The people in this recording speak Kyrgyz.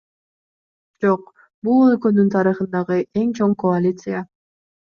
Жок, бул өлкөнүн тарыхындагы эң чоң коалиция.